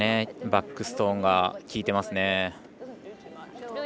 バックストーンが効いてますね。